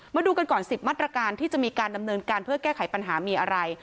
มาดูกันก่อน๑๐มาตรการที่จะมีการดำเนินการเพื่อแก้ไขปัญหามีอะไร